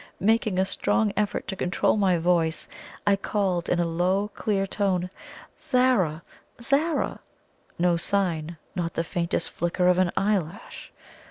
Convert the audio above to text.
Making a strong effort to control my voice, I called, in a low, clear tone: "Zara! Zara!" No sign not the faintest flicker of an eyelash!